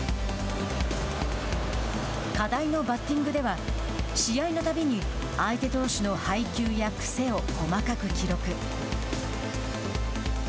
課題のバッティングでは試合のたびに相手投手の配球やくせを細かく記録。